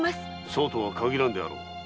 そうとは限らぬであろう。